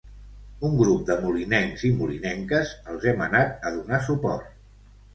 Un grup de molinencs i molinenques els hem anat a donar suport.